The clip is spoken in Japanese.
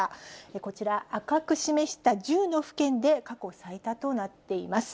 こちら、赤く示した１０の府県で過去最多となっています。